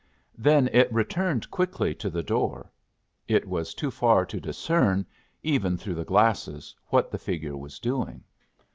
Then it returned quickly to the door. It was too far to discern, even through the glasses, what the figure was doing.